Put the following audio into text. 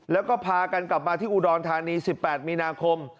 แล้วก็พากันกลับมาที่อุดรธานี๑๘มีนาคม